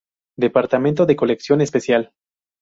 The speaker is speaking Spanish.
Departamento de Colección Especial.